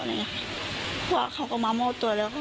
เพราะว่าเขาก็มามอบตัวแล้ว